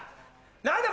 何だ？